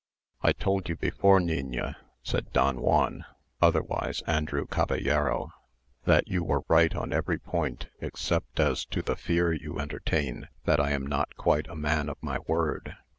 "I told you before, niña," said Don Juan, otherwise Andrew Caballero, "that you were right on every point except as to the fear you entertain that I am not quite a man of my word.